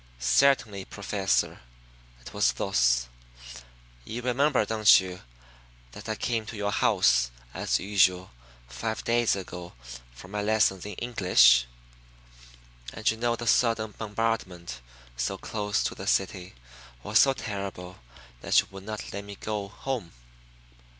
"Certainly, Professor! It was thus. You remember, don't you, that I came to your house as usual, five days ago, for my lessons in English? And you know the sudden bombardment, so close to the city, was so terrible that you would not let me go home?